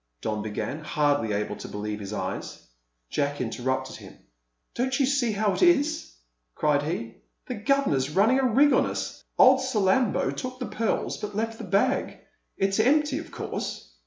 Don began, hardly able to believe his eyes. Jack interrupted him. "Don't you see how it is?" cried he. "The governor's running a rig on us. Old Salambo took the pearls, but left the bag; it's empty, of course!"